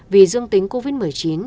vì dương tính covid một mươi chín